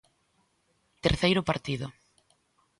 Terceiro partido.